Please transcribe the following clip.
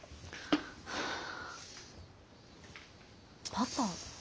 パパ。